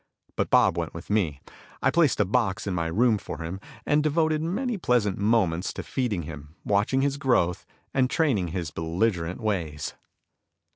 But Bob went with me. I placed a box in my room for him, and devoted many pleasant moments to feeding him, watching his growth, and training his belligerent ways.